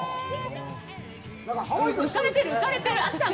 浮かれてる、浮かれてる、亜紀さん